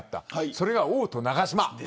それが王と長嶋。